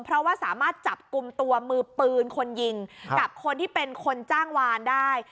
เพราะว่าสามารถจับกลุ่มตัวมือปืนคนยิงกับคนที่เป็นคนจ้างวานได้